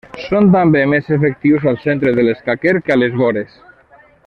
Són també més efectius al centre de l'escaquer que a les vores.